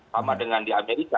sama dengan di amerika